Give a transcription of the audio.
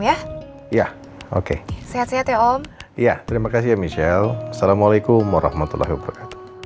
ya ya oke sehat sehat ya om iya terima kasih michelle assalamualaikum warahmatullahi wabarakatuh